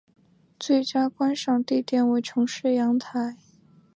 最佳观赏地点为城市阳台。